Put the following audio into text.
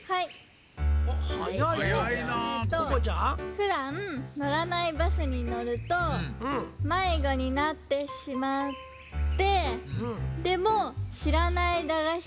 ふだん乗らないバスにのるとまいごになってしまってでもしらないだがし